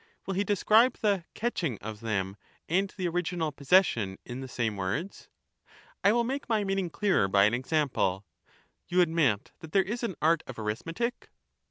— will he describe the 'catching* of them and the original ' possession * in the same words ? I will make my meaning clearer by an example :— You admit that there is an art of arithmetic